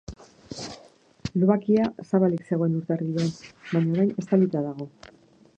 Lubakia zabalik zegoen urtarrilean, baina orain estalita dago.